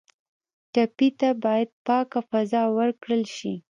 ټپي ته باید پاکه فضا ورکړل شي.